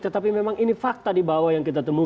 tetapi memang ini fakta di bawah yang kita temukan